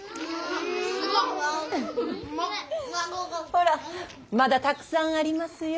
ほらまだたくさんありますよ。